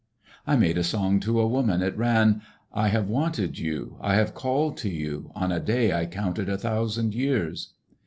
I made a song to a woman: — it ran: I have wanted you. I have called to you on a day I counted a thousand years.